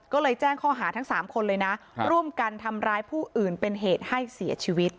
ก็เลยแจ้งข้อหาทั้ง๓คนเลยนะร่วมกันทำร้ายผู้อื่นเป็นเหตุให้เสียชีวิต